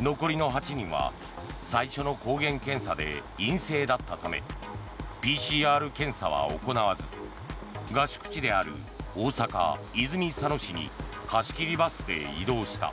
残りの８人は最初の抗原検査で陰性だったためＰＣＲ検査は行わず合宿地である大阪・泉佐野市に貸し切りバスで移動した。